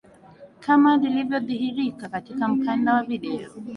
kama lilivyodhihirika katika mkanda wa video